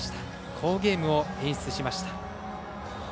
好ゲームを演出しました。